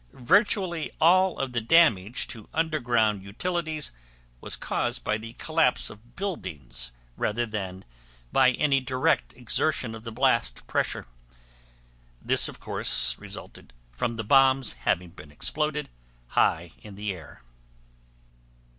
Virtually all of the damage to underground utilities was caused by the collapse of buildings rather than by any direct exertion of the blast pressure. This fact of course resulted from the bombs' having been exploded high in the air.